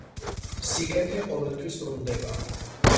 სიკეთე ყოველთვის ბრუნდება